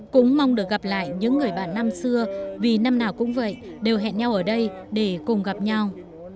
cũng mong được gặp lại những người bạn năm xưa vì năm nào cũng vậy đều hẹn nhau ở đây để cùng gặp nhau